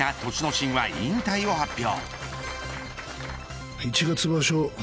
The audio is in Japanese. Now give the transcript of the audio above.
心は引退を発表。